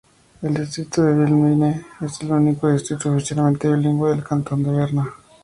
El distrito de Biel-Bienne es el único distrito oficialmente bilingüe del cantón de Berna.